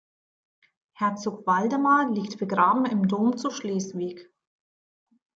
Herzog Waldemar liegt begraben im Dom zu Schleswig.